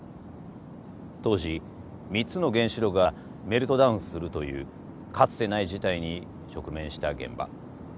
当時３つの原子炉がメルトダウンするというかつてない事態に直面した現場。